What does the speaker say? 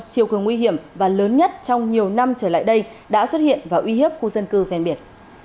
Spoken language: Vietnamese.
triều cường nguy hiểm và lớn nhất trong nhiều năm trở lại đây đã xuất hiện và uy hiếp khu dân cư phèn biệt